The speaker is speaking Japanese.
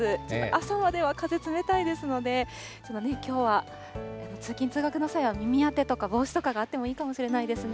朝は風が冷たいですので、きょうは通勤・通学の際は、耳当てとか帽子とかがあってもいいかもしれないですね。